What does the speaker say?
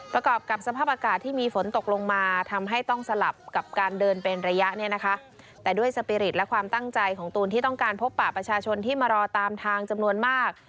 ประกอบกับสภาพอากาศที่มีฝนตกลงมาทำให้ต้องสลับกับการเดินเป็นระยะเนี่ยนะคะแต่ด้วยสปีริตและความตั้งใจของตูนที่ต้องการพบป่าประชาชนที่มารอตามทางจำนวนมาก